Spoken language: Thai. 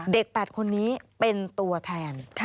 ๘คนนี้เป็นตัวแทน